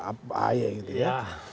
ahi gitu ya